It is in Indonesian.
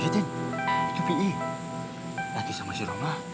iya din itu pi lagi sama si roma